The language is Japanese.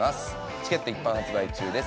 チケット一般発売中です。